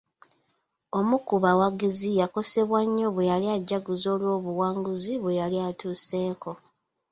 Omu ku bawagizi yakosebwa nnyo bweyali ajaguza olw'obuwanguzi bwe yali atuuseko.